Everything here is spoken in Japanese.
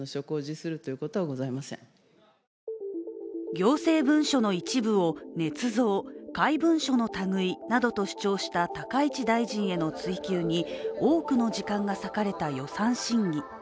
行政文書の一部をねつ造、怪文書の類などと主張した高市大臣への追及に多くの時間が割かれた予算審議。